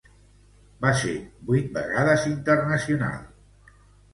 Va ser vuit vegades internacional per Espanya.